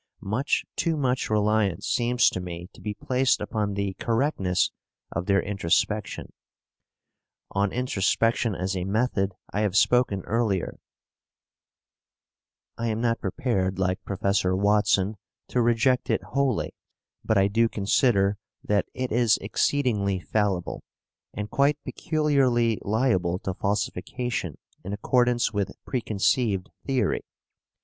Much too much reliance seems to me to be placed upon the correctness of their introspection. On introspection as a method I have spoken earlier (Lecture VI). I am not prepared, like Professor Watson, to reject it wholly, but I do consider that it is exceedingly fallible and quite peculiarly liable to falsification in accordance with preconceived theory.